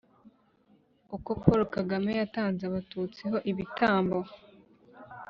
“uko paulo kagame yatanze abatutsi ho ibitambo''